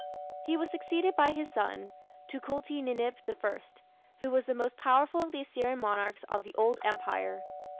He was succeeded by his son, Tukulti Ninip I, who was the most powerful of the Assyrian monarchs of the Old Empire.